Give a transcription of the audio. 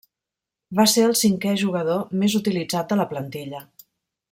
Va ser el cinquè jugador més utilitzat de la plantilla.